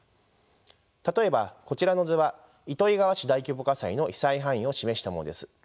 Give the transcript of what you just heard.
例えばこちらの図は糸魚川市大規模火災の被災範囲を示したものです。